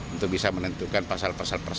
untuk bisa menentukan pasal pasal